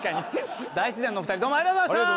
大自然のお二人どうもありがとうございました。